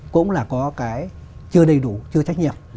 cũng là có cái chưa đầy đủ chưa trách nhiệm